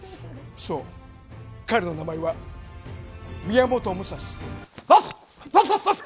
そう、彼の名前は宮本武蔵。